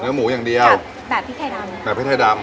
หมูอย่างเดียวแบบพริกไทยดำแบบพริกไทยดำ